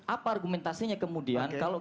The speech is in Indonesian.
apa argumentasinya kemudian